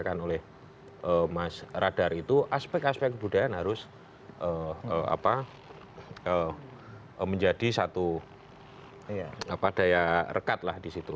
nah nawacita sebetulnya tadi yang dikatakan oleh mas radar itu aspek aspek kebudayaan harus apa menjadi satu apa daya rekat lah disitu